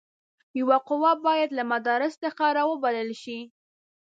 یوه قوه باید له مدراس څخه را وبلل شي.